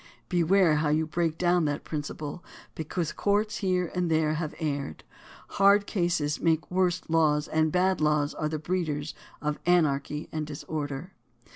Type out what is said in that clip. Beware how you break down that principle because courts here and there have erred. Hard cases make the worst laws and bad laws are the breeders of anarchy and disorder.